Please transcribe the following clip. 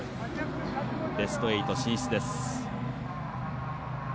ベスト８進出です。